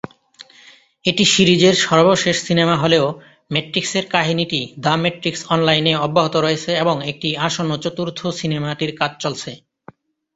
এটি সিরিজের সর্বশেষ সিনেমা হলেও "ম্যাট্রিক্সের" কাহিনিটি "দ্য ম্যাট্রিক্স অনলাইন-" এ অব্যাহত রয়েছে এবং একটি আসন্ন চতুর্থ সিনেমাটির কাজ চলছে।